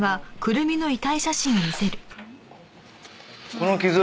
この傷